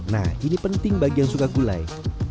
nah ini penting bagi yang suka gulai